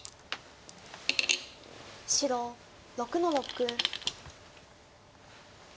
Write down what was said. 白６の六。